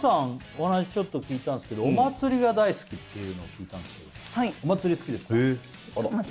お話ちょっと聞いたんですけどっていうの聞いたんですけどはいお祭り好きです